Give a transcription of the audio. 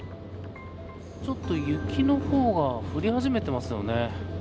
ちょっと雪の方が降り始めていますよね。